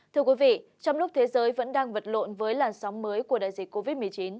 trong lúc thế giới vẫn đang vật lộn với làn sóng mới của đại dịch covid một mươi chín